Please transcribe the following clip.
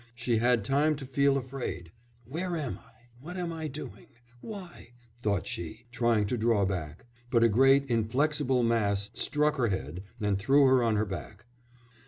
She had time to feel afraid. 'Where am I? What am I doing? Why?' thought she, trying to draw back; but a great inflexible mass struck her head and threw her on her back.